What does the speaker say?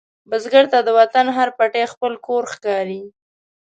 بزګر ته د وطن هر پټی خپل کور ښکاري